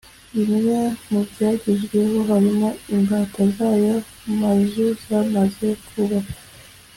Bimwe mu byagezweho harimo imbata z’ayo mazu zamaze kubakwa